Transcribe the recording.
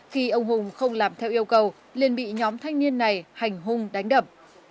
khi ông hùng không làm theo yêu cầu liên bị nhóm thanh niên này hành hung đánh đập